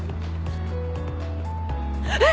えっ！